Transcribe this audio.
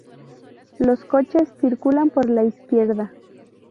Los coches circulan por la izquierda.